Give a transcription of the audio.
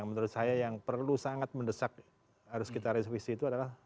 menurut saya yang perlu sangat mendesak harus kita revisi itu adalah